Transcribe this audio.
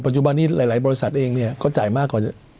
จุบันนี้หลายบริษัทเองเนี่ยเขาจ่ายมากกว่า